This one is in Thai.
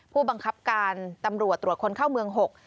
ผู้บังคับการตำรวจตรวจคนเข้าเมือง๖